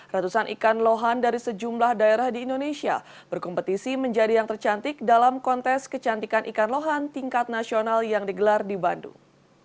ratusan ikan lohan dari sejumlah daerah di indonesia berkompetisi menjadi yang tercantik dalam kontes kecantikan ikan lohan tingkat nasional yang digelar di bandung